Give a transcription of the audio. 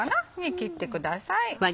切ってください。